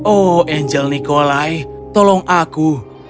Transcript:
oh angel nikolai tolong aku